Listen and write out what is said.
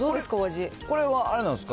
これはあれなんですか？